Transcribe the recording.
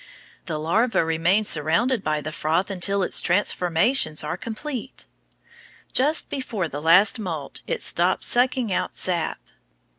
The larva remains surrounded by the froth until its transformations are complete. Just before the last moult it stops sucking out sap.